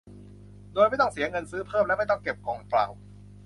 โดยไม่ต้องเสียเงินซื้อเพิ่มและไม่ต้องเก็บกล่องเปล่า